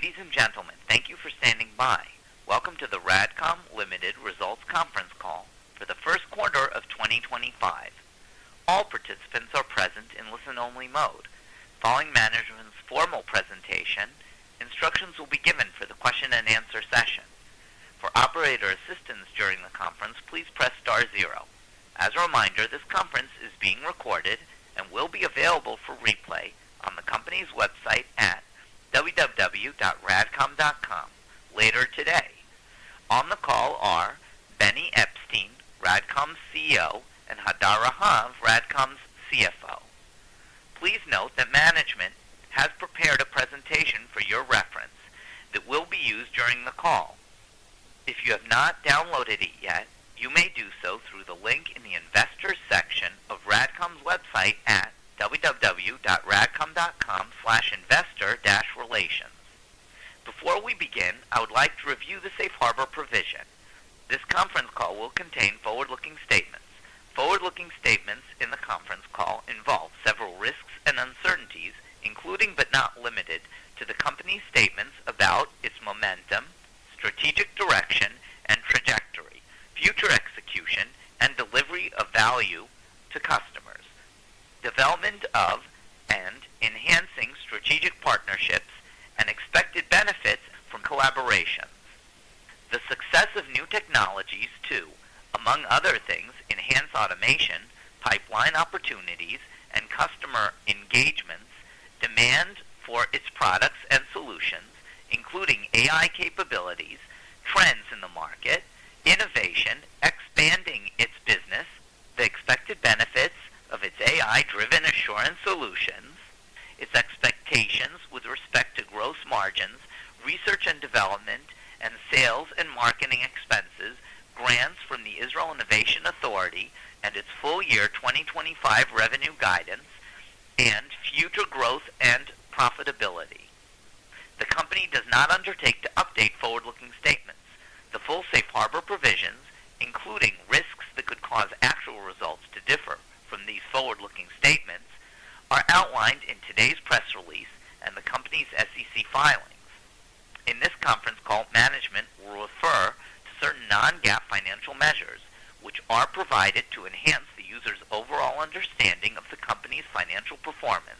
Ladies and gentlemen, thank you for standing by. Welcome to the RADCOM Results Conference Call for the first quarter of 2025. All participants are present in listen-only mode. Following management's formal presentation, instructions will be given for the question-and-answer session. For operator assistance during the conference, please press star zero. As a reminder, this conference is being recorded and will be available for replay on the company's website at www.radcom.com later today. On the call are Benny Eppstein, RADCOM's CEO, and Hadar Rahav, RADCOM's CFO. Please note that management has prepared a presentation for your reference that will be used during the call. If you have not downloaded it yet, you may do so through the link in the investor section of RADCOM's website at The company does not undertake to update forward-looking statements. The full safe harbor provisions, including risks that could cause actual results to differ from these forward-looking statements, are outlined in today's press release and the company's SEC filings. In this conference call, management will refer to certain non-GAAP financial measures, which are provided to enhance the user's overall understanding of the company's financial performance.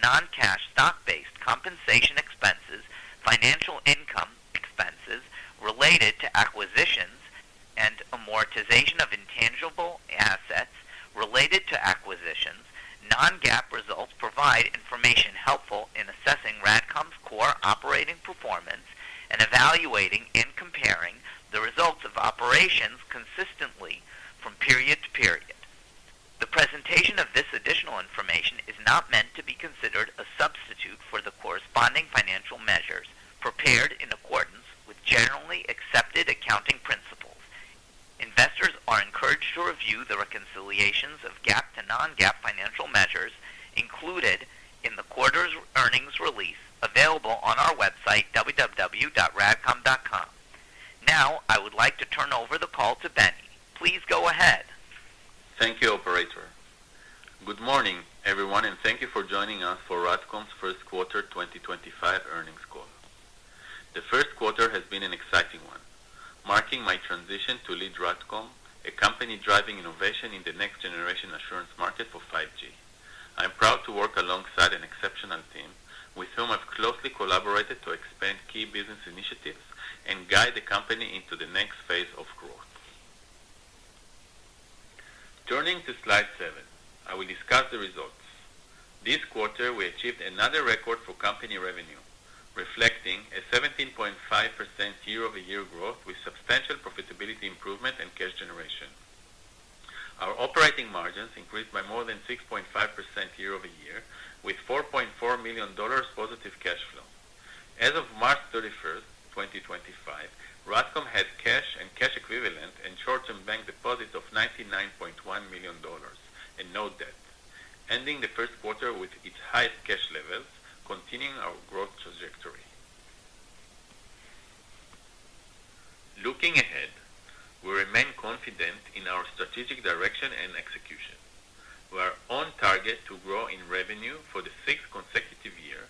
By excluding certain non-cash stock-based compensation expenses, financial income expenses related to acquisitions, and amortization of intangible assets related to acquisitions, non-GAAP results provide information helpful in assessing RADCOM's core operating performance and evaluating and comparing the results of operations consistently from period to period. The presentation of this additional information is not meant to be considered a substitute for the corresponding financial measures prepared in accordance with generally accepted accounting principles. Investors are encouraged to review the reconciliations of GAAP to non-GAAP financial measures included in the quarter's earnings release available on our website, www.radcom.com. Now, I would like to turn over the call to Benny. Please go ahead. Thank you, Operator. Good morning, everyone, and thank you for joining us for RADCOM's first quarter 2025 earnings call. The first quarter has been an exciting one, marking my transition to lead RADCOM, a company driving innovation in the next-generation assurance market for 5G. I'm proud to work alongside an exceptional team with whom I've closely collaborated to expand key business initiatives and guide the company into the next phase of growth. Turning to slide seven, I will discuss the results. This quarter, we achieved another record for company revenue, reflecting a 17.5% year-over-year growth with substantial profitability improvement and cash generation. Our operating margins increased by more than 6.5% year-over-year, with $4.4 million positive cash flow. As of March 31, 2025, RADCOM had cash and cash equivalents and short-term bank deposits of $99.1 million and no debt, ending the first quarter with its highest cash levels, continuing our growth trajectory. Looking ahead, we remain confident in our strategic direction and execution. We are on target to grow in revenue for the sixth consecutive year,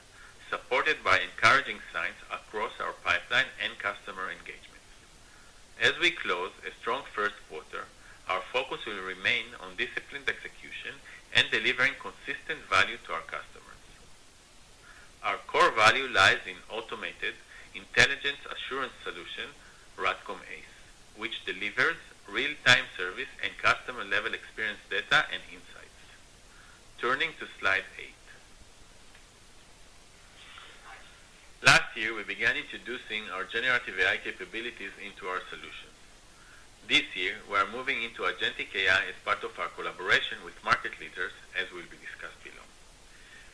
supported by encouraging signs across our pipeline and customer engagement. As we close a strong first quarter, our focus will remain on disciplined execution and delivering consistent value to our customers. Our core value lies in automated intelligence assurance solution, RADCOM ACE, which delivers real-time service and customer-level experience data and insights. Turning to slide eight. Last year, we began introducing our generative AI capabilities into our solutions. This year, we are moving into agentic AI as part of our collaboration with market leaders, as will be discussed below.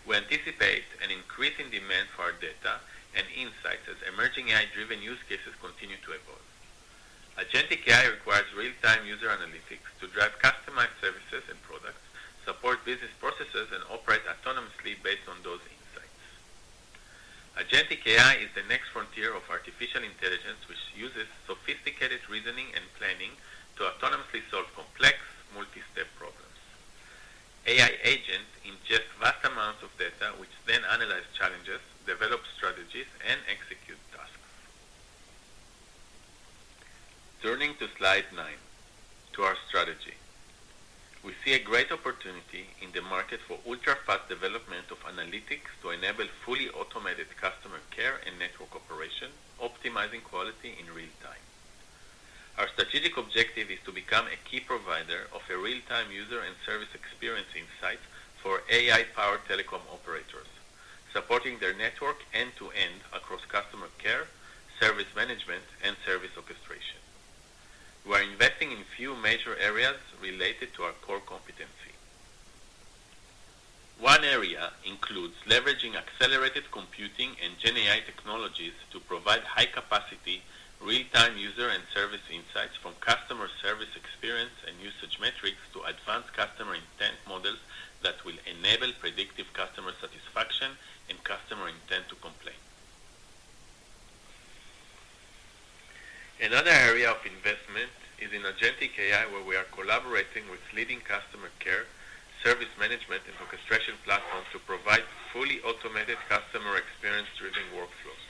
We anticipate an increasing demand for our data and insights as emerging AI-driven use cases continue to evolve. Agentic AI requires real-time user analytics to drive customized services and products, support business processes, and operate autonomously based on those insights. Agentic AI is the next frontier of artificial intelligence, which uses sophisticated reasoning and planning to autonomously solve complex multi-step problems. AI agents ingest vast amounts of data, which then analyze challenges, develop strategies, and execute tasks. Turning to slide nine, to our strategy. We see a great opportunity in the market for ultra-fast development of analytics to enable fully automated customer care and network operation, optimizing quality in real time. Our strategic objective is to become a key provider of a real-time user and service experience insight for AI-powered telecom operators, supporting their network end-to-end across customer care, service management, and service orchestration. We are investing in a few major areas related to our core competency. One area includes leveraging accelerated computing and GenAI technologies to provide high-capacity real-time user and service insights from customer service experience and usage metrics to advanced customer intent models that will enable predictive customer satisfaction and customer intent to complain. Another area of investment is in agentic AI, where we are collaborating with leading customer care, service management, and orchestration platforms to provide fully automated customer experience-driven workflows.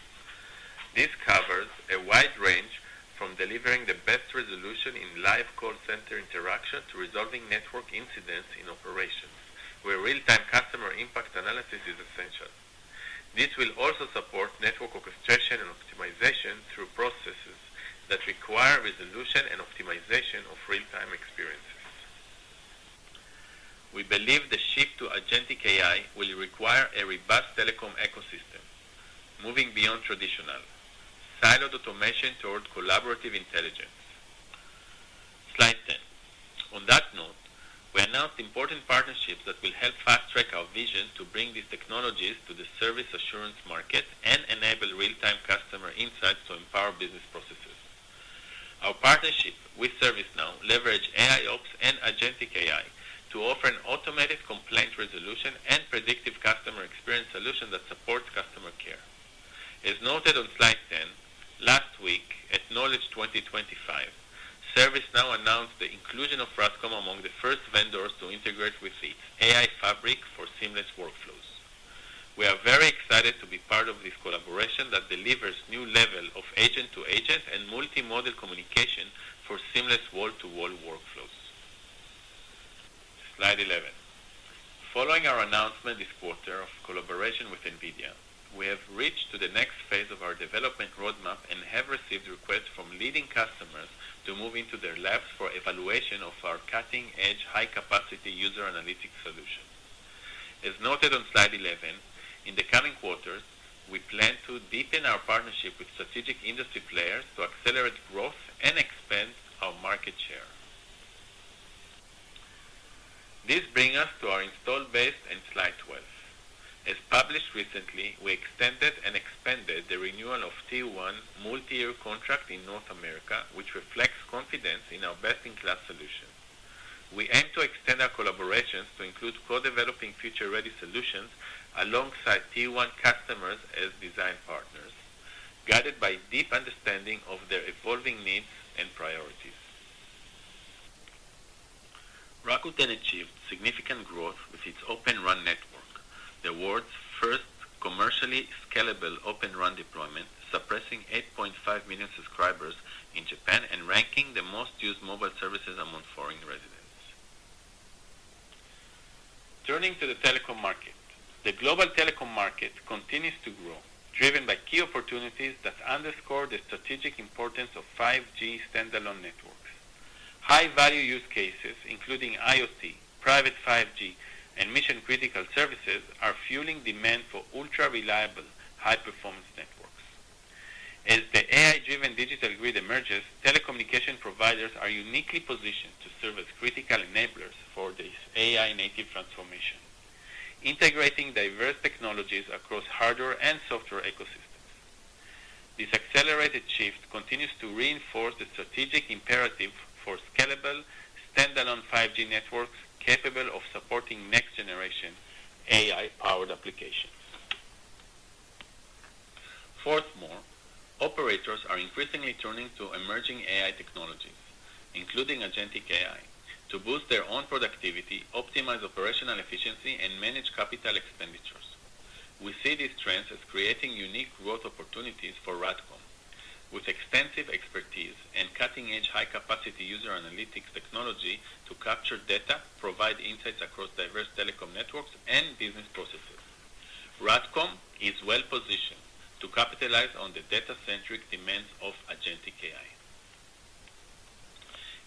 This covers a wide range from delivering the best resolution in live call center interaction to resolving network incidents in operations, where real-time customer impact analysis is essential. This will also support network orchestration and optimization through processes that require resolution and optimization of real-time experiences. We believe the shift to agentic AI will require a robust telecom ecosystem, moving beyond traditional siloed automation toward collaborative intelligence. Slide 10. On that note, we announced important partnerships that will help fast-track our vision to bring these technologies to the service assurance market and enable real-time customer insights to empower business processes. Our partnership with ServiceNow leverages AIOps and agentic AI to offer an automated complaint resolution and predictive customer experience solution that supports customer care. As noted on slide 10, last week at Knowledge 2025, ServiceNow announced the inclusion of RADCOM among the first vendors to integrate with its AI fabric for seamless workflows. We are very excited to be part of this collaboration that delivers new levels of agent-to-agent and multi-modal communication for seamless wall-to-wall workflows. Slide 11. Following our announcement this quarter of collaboration with NVIDIA, we have reached the next phase of our development roadmap and have received requests from leading customers to move into their labs for evaluation of our cutting-edge, high-capacity user analytics solution. As noted on slide 11, in the coming quarters, we plan to deepen our partnership with strategic industry players to accelerate growth and expand our market share. This brings us to our install base and slide 12. As published recently, we extended and expanded the renewal of Tier 1 multi-year contract in North America, which reflects confidence in our best-in-class solution. We aim to extend our collaborations to include co-developing future-ready solutions alongside Tier 1 customers as design partners, guided by a deep understanding of their evolving needs and priorities. RADCOM then achieved significant growth with its Open RAN network, the world's first commercially scalable Open RAN deployment, surpassing 8.5 million subscribers in Japan and ranking the most-used mobile services among foreign residents. Turning to the telecom market, the global telecom market continues to grow, driven by key opportunities that underscore the strategic importance of 5G standalone networks. High-value use cases, including IoT, private 5G, and mission-critical services, are fueling demand for ultra-reliable, high-performance networks. As the AI-driven digital grid emerges, telecommunication providers are uniquely positioned to serve as critical enablers for this AI-native transformation, integrating diverse technologies across hardware and software ecosystems. This accelerated shift continues to reinforce the strategic imperative for scalable standalone 5G networks capable of supporting next-generation AI-powered applications. Furthermore, operators are increasingly turning to emerging AI technologies, including agentic AI, to boost their own productivity, optimize operational efficiency, and manage capital expenditures. We see these trends as creating unique growth opportunities for RADCOM, with extensive expertise and cutting-edge, high-capacity user analytics technology to capture data, provide insights across diverse telecom networks and business processes. RADCOM is well-positioned to capitalize on the data-centric demands of agentic AI.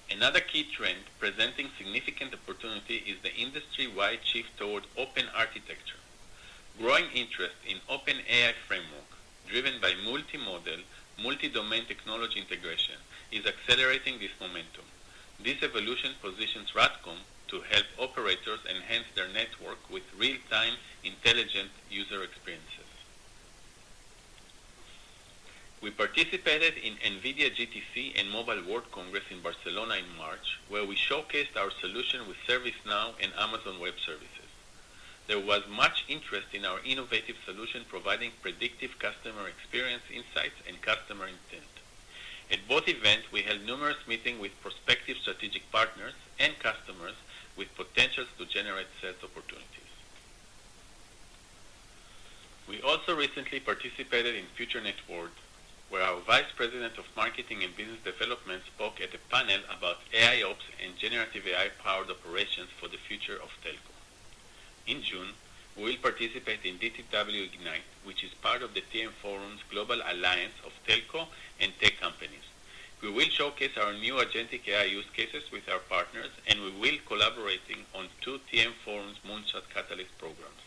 Another key trend presenting significant opportunity is the industry-wide shift toward open architecture. Growing interest in the OpenAI framework, driven by multi-modal, multi-domain technology integration, is accelerating this momentum. This evolution positions RADCOM to help operators enhance their network with real-time intelligent user experiences. We participated in NVIDIA GTC and Mobile World Congress in Barcelona in March, where we showcased our solution with ServiceNow and Amazon Web Services. There was much interest in our innovative solution providing predictive customer experience insights and customer intent. At both events, we held numerous meetings with prospective strategic partners and customers with potentials to generate sales opportunities. We also recently participated in FutureNet World, where our Vice President of Marketing and Business Development spoke at a panel about AIOps and generative AI-powered operations for the future of telco. In June, we will participate in DTW Ignite, which is part of the TM Forum's Global Alliance of Telco and Tech Companies. We will showcase our new agentic AI use cases with our partners, and we will be collaborating on two TM Forum's Moonshot Catalyst programs.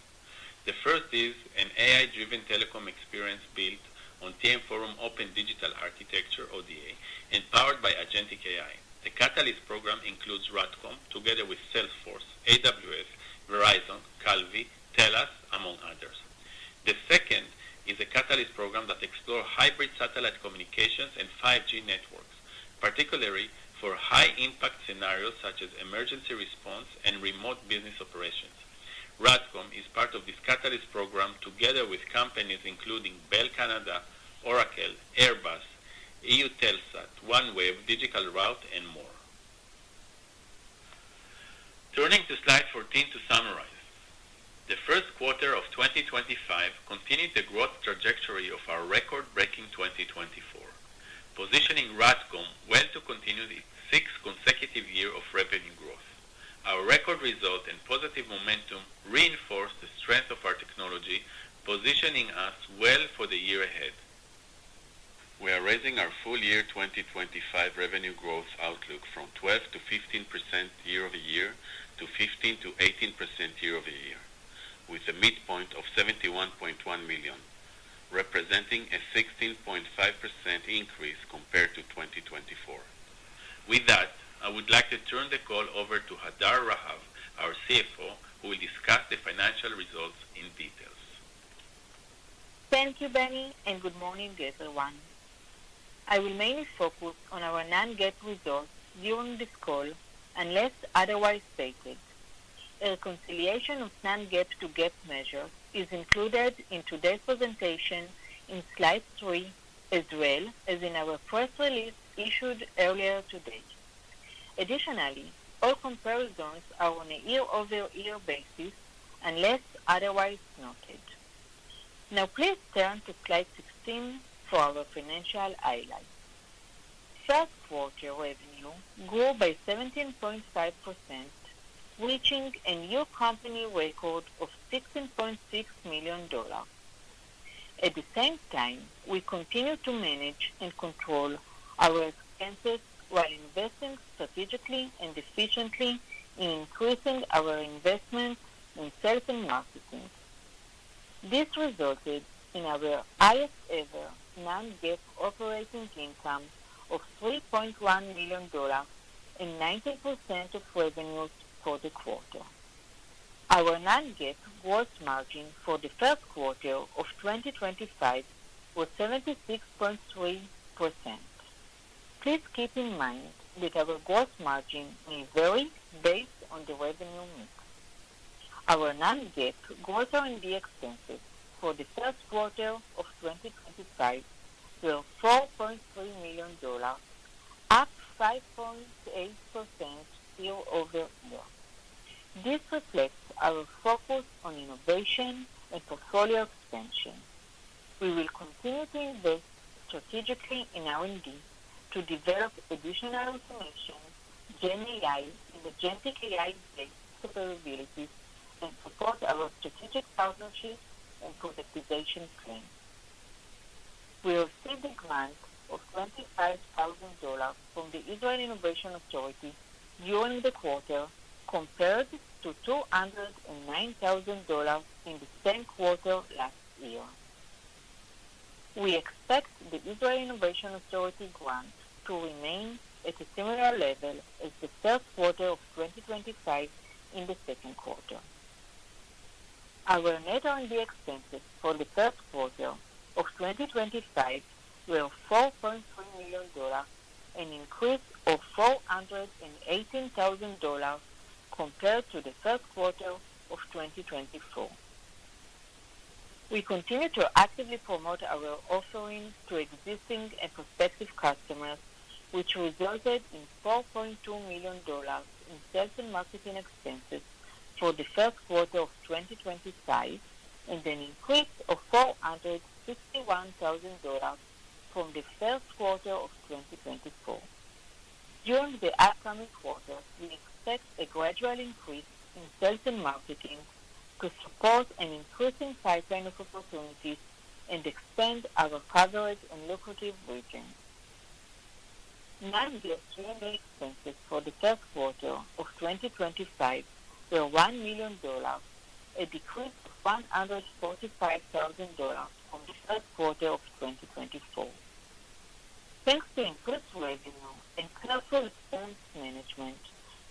The first is an AI-driven telecom experience built on TM Forum Open Digital Architecture, ODA, and powered by agentic AI. The Catalyst program includes RADCOM, together with Salesforce, AWS, Verizon, Calvi, TELUS, among others. The second is a Catalyst program that explores hybrid satellite communications and 5G networks, particularly for high-impact scenarios such as emergency response and remote business operations. RADCOM is part of this Catalyst program together with companies including Bell Canada, Oracle, Airbus, EUTELSAT, OneWeb, DigitalRoute, and more. Turning to slide 14 to summarize, the first quarter of 2025 continued the growth trajectory of our record-breaking 2024, positioning RADCOM well to continue its sixth consecutive year of revenue growth. Our record result and positive momentum reinforced the strength of our technology, positioning us well for the year ahead. We are raising our full year 2025 revenue growth outlook from 12%-15% year-over-year to 15%-18% year-over-year, with a midpoint of $71.1 million, representing a 16.5% increase compared to 2024. With that, I would like to turn the call over to Hadar Rahav, our CFO, who will discuss the financial results in detail. Thank you, Benny, and good morning to everyone. I will mainly focus on our non-GAAP results during this call, unless otherwise stated. A reconciliation of non-GAAP to GAAP measures is included in today's presentation in slide three, as well as in our first release issued earlier today. Additionally, all comparisons are on a year-over-year basis, unless otherwise noted. Now, please turn to slide 16 for our financial highlights. First quarter revenue grew by 17.5%, reaching a new company record of $16.6 million. At the same time, we continue to manage and control our expenses while investing strategically and efficiently in increasing our investment in sales and marketing. This resulted in our highest-ever non-GAAP operating income of $3.1 million and 90% of revenues for the quarter. Our non-GAAP gross margin for the first quarter of 2025 was 76.3%. Please keep in mind that our gross margin may vary based on the revenue mix. Our non-GAAP gross R&D expenses for the first quarter of 2025 were $4.3 million, up 5.8% year-over-year. This reflects our focus on innovation and portfolio expansion. We will continue to invest strategically in R&D to develop additional automation, GenAI, and agentic AI-based capabilities, and support our strategic partnership and productization plan. We received a grant of $25,000 from the Israel Innovation Authority during the quarter, compared to $209,000 in the same quarter last year. We expect the Israel Innovation Authority grant to remain at a similar level as the first quarter of 2025 in the second quarter. Our net R&D expenses for the first quarter of 2025 were $4.3 million, an increase of $418,000 compared to the first quarter of 2024. We continue to actively promote our offerings to existing and prospective customers, which resulted in $4.2 million in sales and marketing expenses for the first quarter of 2025 and an increase of $461,000 from the first quarter of 2024. During the upcoming quarter, we expect a gradual increase in sales and marketing to support an increasing pipeline of opportunities and expand our coverage and lucrative region. Non-GAAP revenue expenses for the first quarter of 2025 were $1 million, a decrease of $145,000 from the first quarter of 2024. Thanks to increased revenue and careful expense management,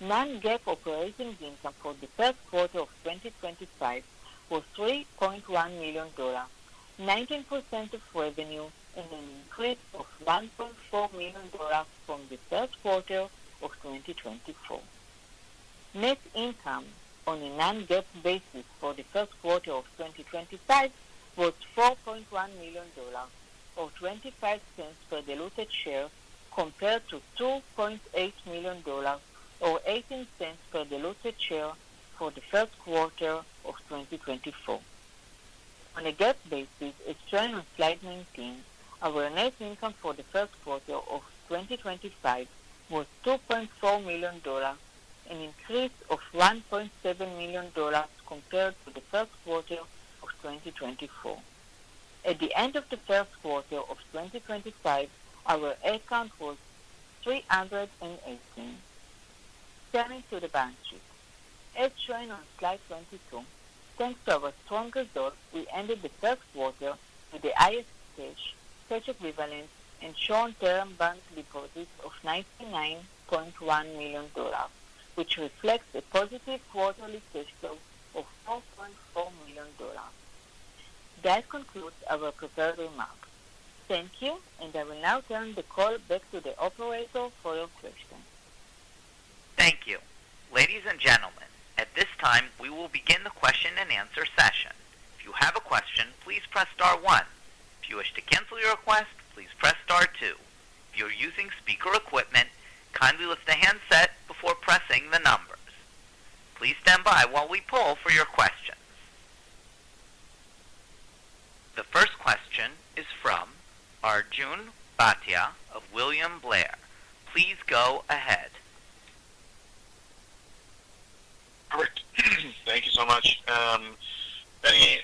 non-GAAP operating income for the first quarter of 2025 was $3.1 million, 19% of revenue, and an increase of $1.4 million from the first quarter of 2024. Net income on a non-GAAP basis for the first quarter of 2025 was $4.1 million, or $0.25 per diluted share, compared to $2.8 million, or $0.18 per diluted share for the first quarter of 2024. On a GAAP basis, as shown on slide 19, our net income for the first quarter of 2025 was $2.4 million, an increase of $1.7 million compared to the first quarter of 2024. At the end of the first quarter of 2025, our account was $318. Turning to the balance sheet, as shown on slide 22, thanks to our strong result, we ended the first quarter with the highest cash, cash equivalent, and short-term bank deposit of $99.1 million, which reflects a positive quarterly cash flow of $4.4 million. That concludes our prepared remarks. Thank you, and I will now turn the call back to the operator for your questions. Thank you. Ladies and gentlemen, at this time, we will begin the question-and-answer session. If you have a question, please press star one. If you wish to cancel your request, please press star two. If you're using speaker equipment, kindly lift the handset before pressing the numbers. Please stand by while we pull for your questions. The first question is from Arjun Bhatia of William Blair. Please go ahead. Great. Thank you so much. Benny,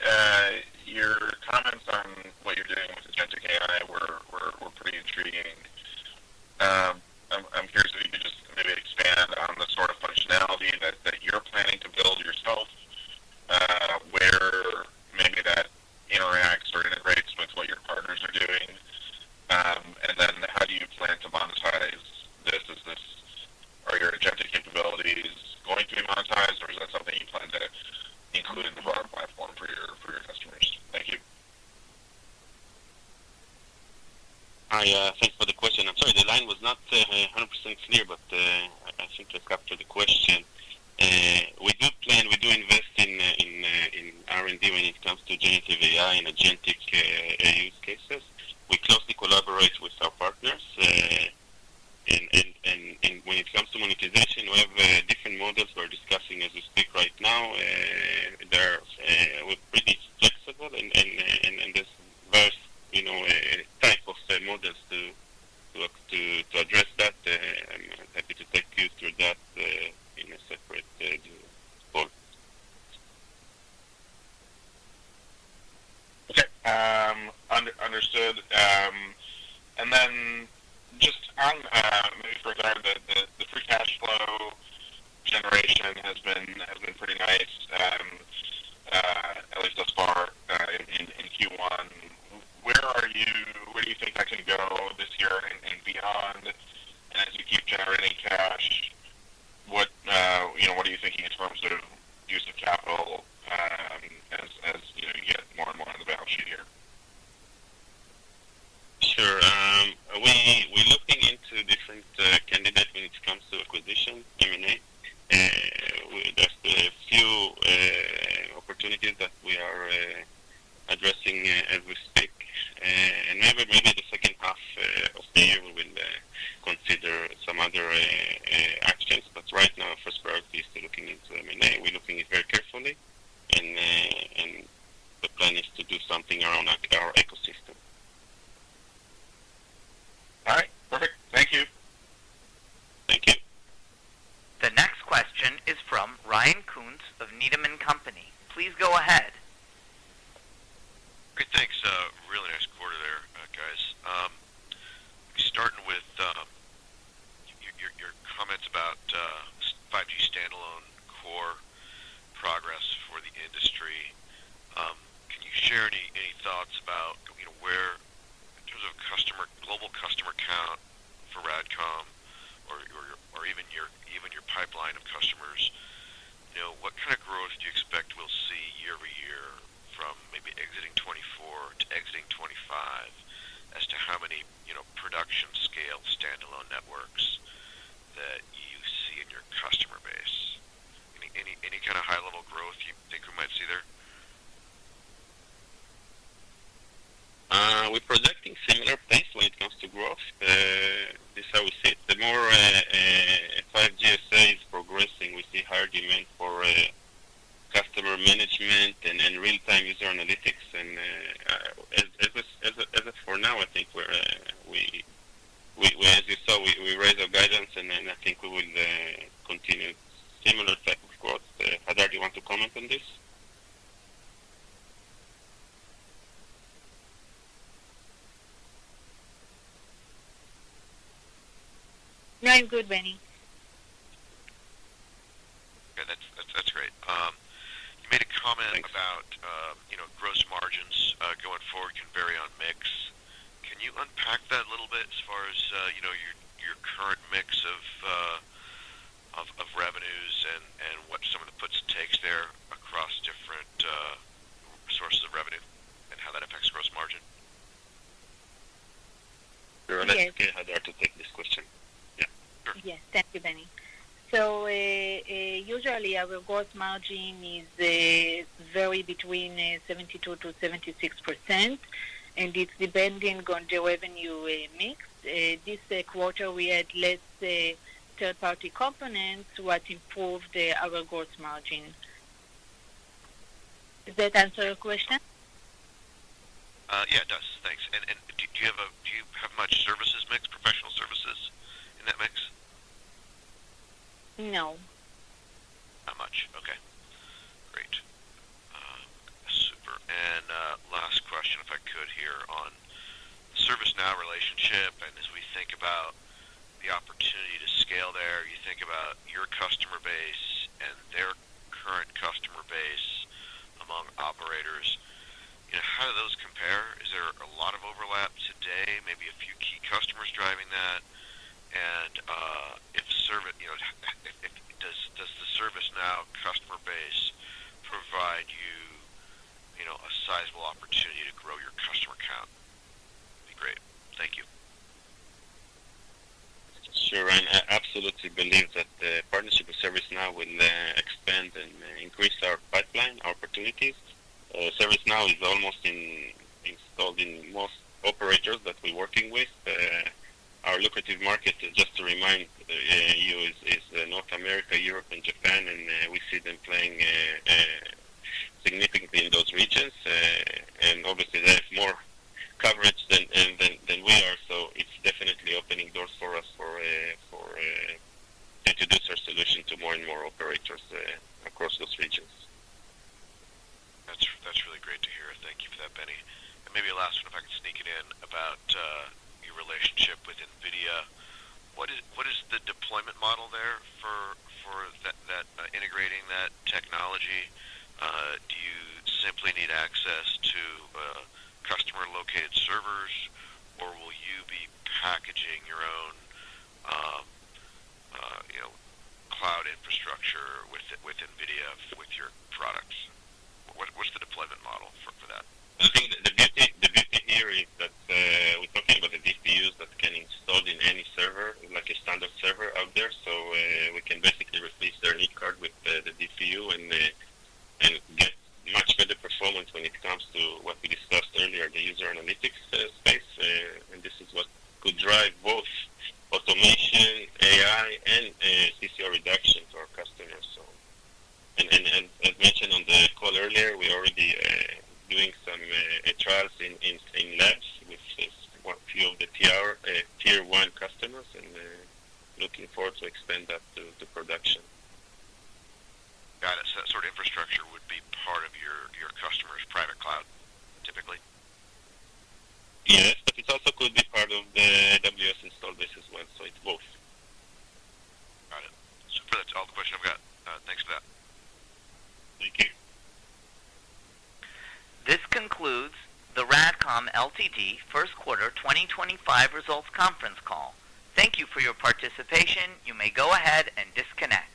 No. Not much. Okay. Great. Super. Last question, if I could, here on ServiceNow relationship. As we think about the opportunity to scale there, you think about your customer base and their current customer base among operators. How do those compare? Is there a lot of overlap today, maybe a few key customers driving that? If the ServiceNow customer base provides you a sizable opportunity to grow your customer count, that would be great. Thank you. Sure. I absolutely believe that the partnership with ServiceNow will expand and increase our pipeline, our opportunities. ServiceNow is almost installed in most operators that we are working with. Our lucrative market, just to remind you, is North America, Europe, and Japan, and we see them playing significantly in those regions. Obviously, they have more coverage than we are, so it's definitely opening doors for us to introduce our solution to more and more operators across those regions. That's really great to hear. Thank you for that, Benny. Maybe last one, if I could sneak it in, about your relationship with NVIDIA. What is the deployment model there for integrating that technology? Do you simply need access to customer-located servers, or will you be packaging your own cloud infrastructure with NVIDIA with your products? What's the deployment model for that? I think the beauty here is that we're talking about a DPU that can be installed in any server, like a standard server out there. We can basically replace their E-card with the DPU and get much better